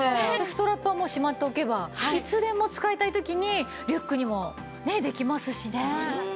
ストラップはもうしまっておけばいつでも使いたい時にリュックにもできますしね。